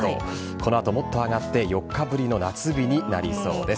この後、もっと上がって４日ぶりの夏日になりそうです。